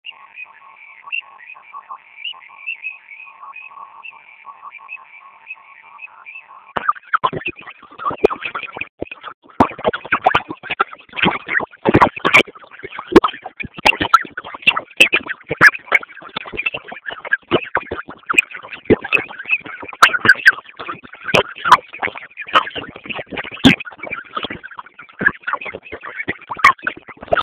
Utalii Antony Mtaka mkuu wa Mkoa wa Simiyu na wengine waliowahi kufanya kazi